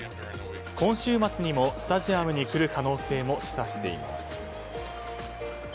今週末にもスタジアムに来る可能性も示唆しています。